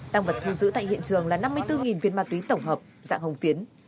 tăng vật thu giữ tại hiện trường là năm mươi bốn viên ma túy tổng hợp dạng hồng phiến